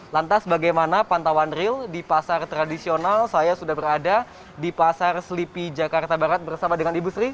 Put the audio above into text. lantas bagaimana pantauan real di pasar tradisional saya sudah berada di pasar selipi jakarta barat bersama dengan ibu sri